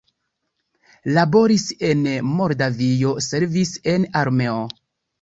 Laboris en Moldavio, servis en armeo.